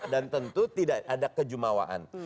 dan tentu tidak ada kejumawaan